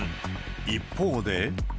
一方で。